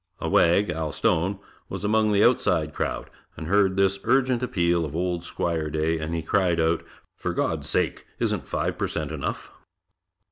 A wag, Al Stone, was among the outside crowd, and heard this urgent appeal of old Squire Day, and he cried out: "For God's sake, isn't five per cent enough?"